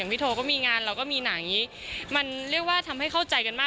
ักษมิตแจกสกนี้แหละใช่ไหม